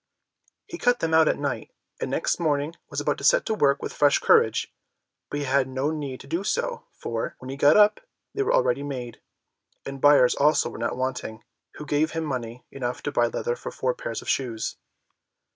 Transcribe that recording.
He cut them out at night, and next morning was about to set to work with fresh courage; but he had no need to do so, for, when he got up, they were already made, and buyers also were not wanting, who gave him money enough to buy leather for four pairs of shoes.